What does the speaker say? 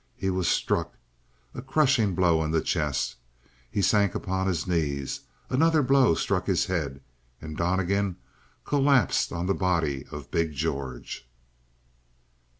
He was struck a crushing blow in his chest. He sank upon his knees: another blow struck his head, and Donnegan collapsed on the body of big George.